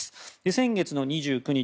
先月の２９日